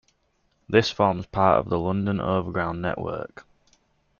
This forms part of the London Overground network.